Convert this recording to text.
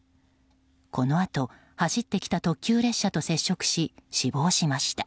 このあと、走ってきた特急列車と衝突し死亡しました。